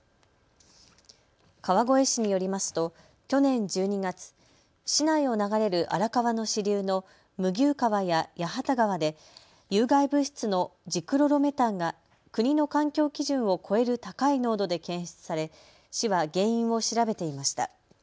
川越市によりますと去年１２月、市内を流れる荒川の支流の麦生川や八幡川で有害物質のジクロロメタンが国の環境基準を超える高い濃度で検出され市は原因を調べていました。